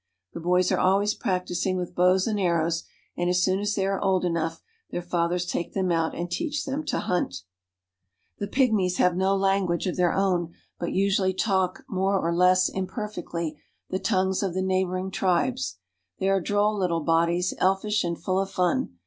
The boys are always practicing with bows and arrows, and, as soon as they are old enough, their fathers take them out and teach them to hunt. ^The pygmies have no language of their own; but usually talk, more or less imperfectly, the tongues of the neighbor ing tribes. They are droll little bodies, elfish and full of fun.